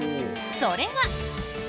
それが。